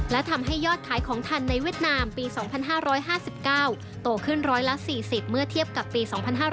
และทำให้ยอดขายของทันในเวียดนามปี๒๕๕๙โตขึ้น๑๔๐เมื่อเทียบกับปี๒๕๕๙